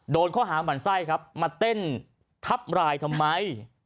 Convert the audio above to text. โดนข้อหาหมั่นไส้ครับมาเต้นทับรายทำไม